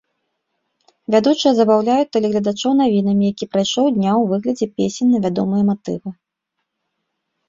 Вядучыя забаўляюць тэлегледачоў навінамі які прайшоў дня ў выглядзе песень на вядомыя матывы.